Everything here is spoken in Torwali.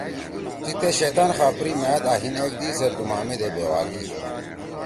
تی تے شیطأن خاپری مأد آں ہیِن ایکدی سیت ڈُومامیدے بیوا کی۔